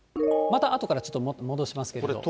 またあとからちょっと戻しますけど。